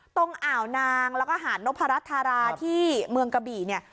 อ่าวนางแล้วก็หาดนพรัชธาราที่เมืองกะบี่เนี่ย